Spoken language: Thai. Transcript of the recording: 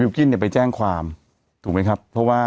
กิ้นเนี่ยไปแจ้งความถูกไหมครับเพราะว่า